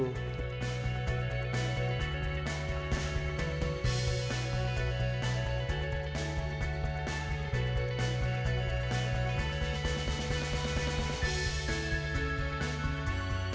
dki jakarta mengapa dki jakarta memiliki data yang lebih tinggi